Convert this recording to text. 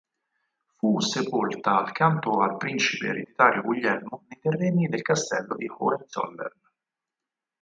Fu sepolta accanto al principe ereditario Guglielmo nei terreni del castello di Hohenzollern.